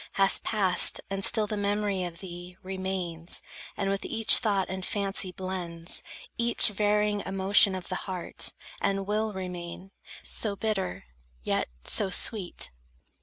Hast passed; and still the memory of thee Remains, and with each thought and fancy blends Each varying emotion of the heart; And will remain, so bitter, yet so sweet!